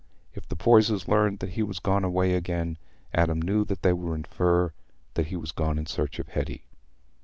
If the Poysers learned that he was gone away again, Adam knew they would infer that he was gone in search of Hetty.